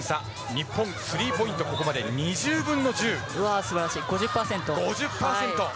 日本、スリーポイントがここまで２０分の１０。素晴らしい！５０％！